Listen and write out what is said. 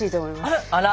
あら。